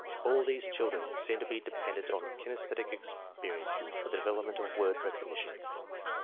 All these children seem to be dependent on kinesthetic experiences for the development of word recognition.